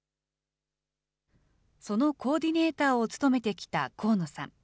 そのコーディネーターを務めてきた河野さん。